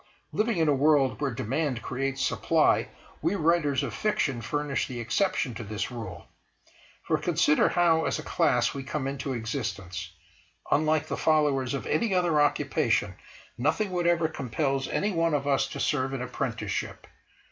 Living in a world where demand creates supply, we writers of fiction furnish the exception to this rule. For, consider how, as a class, we come into existence. Unlike the followers of any other occupation, nothing whatever compels any one of us to serve an apprenticeship.